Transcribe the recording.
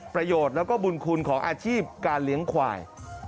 ประโยชน์แล้วก็บุญคุณของอาชีพการเลี้ยงควาย